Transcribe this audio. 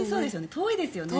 遠いですよね。